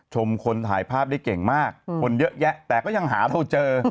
คนถ่ายภาพได้เก่งมากคนเยอะแยะแต่ก็ยังหาเราเจอ